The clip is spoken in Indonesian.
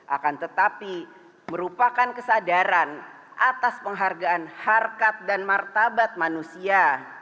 akan tetapi merupakan kesadaran atas penghargaan harkat dan martabat manusia